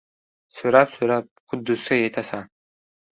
• So‘rab-so‘rab Quddusga yetasan.